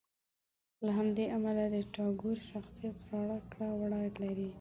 له همدې امله د ټاګور شخصیت زاړه کړه وړه لري.